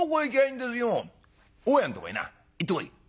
「大家んとこへな行ってこい」。